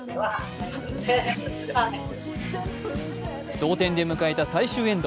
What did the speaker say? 同点で迎えた最終エンド。